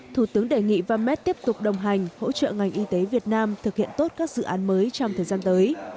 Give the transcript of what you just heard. thủ tướng đề nghị vamed tiếp tục đồng hành hỗ trợ ngành y tế việt nam thực hiện tốt các dự án mới trong thời gian tới